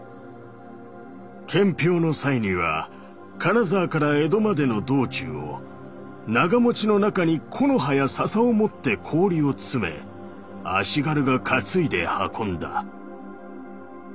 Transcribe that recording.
「獻氷の際には金澤から江戸迄の道中を長持の中に木の葉や笹を以て氷を詰め足輕が擔いで運んだ」。